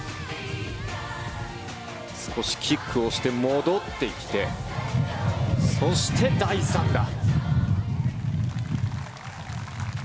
少しキックをして戻ってきてそして、第３打。